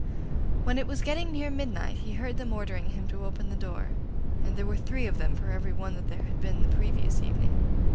When it was getting near midnight he heard them ordering him to open the door, and there were three of them for every one that there had been the previous evening.